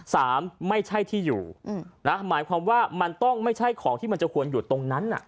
ไม่ใช่ที่อยู่นะหมายความว่ามันต้องไม่ใช่ของที่มันจะควรอยู่ตรงนั้นน่ะ